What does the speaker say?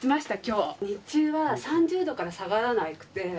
日中は３０度から下がらなくて。